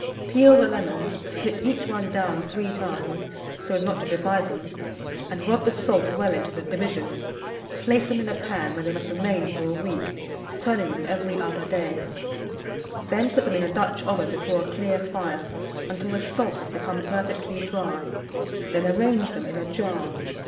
Peel the lemons, slit each one down 3 times, so as not to divide them, and rub the salt well into the divisions; place them in a pan, where they must remain for a week, turning them every other day; then put them in a Dutch oven before a clear fire until the salt has become perfectly dry; then arrange them in a jar.